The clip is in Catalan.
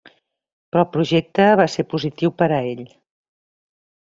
Però el projecte va ser positiu per a ell.